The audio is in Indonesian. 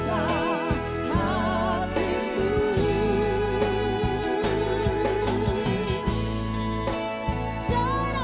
serta sisi indonesia sendiri